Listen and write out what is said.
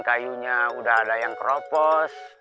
kayunya udah ada yang keropos